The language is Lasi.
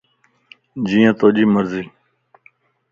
جيئي توجي مرضي